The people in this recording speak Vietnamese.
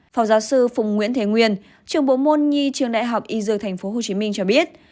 phó giáo sư phùng nguyễn thế nguyên trường bộ môn nhi trường đại học y dược tp hcm cho biết